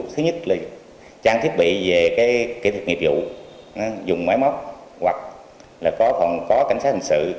thứ nhất là trang thiết bị về kỹ thuật nghiệp vụ dùng máy móc hoặc là có cảnh sát hành sự